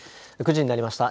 ９時になりました。